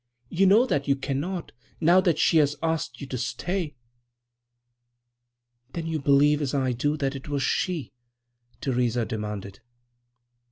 "You know that you cannot, now that she has asked you to stay." "Then you believe, as I do, that it was she?" Theresa demanded.